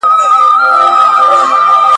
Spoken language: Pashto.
تر يوې خرما دوې اوڅکي ښې دي.